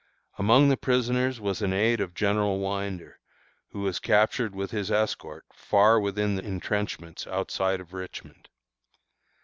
Among the prisoners was an aid of General Winder, who was captured with his escort far within the entrenchments outside of Richmond.